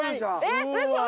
えっ嘘嘘！